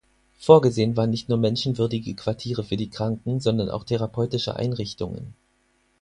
Vorgesehen waren nicht nur menschenwürdige Quartiere für die Kranken, sondern auch therapeutische Einrichtungen.